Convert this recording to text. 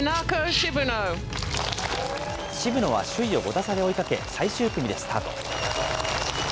渋野は首位を５打差で追いかけ、最終組でスタート。